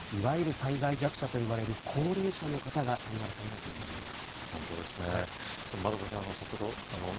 いわゆる災害弱者と呼ばれる高齢者の方が命を落としています。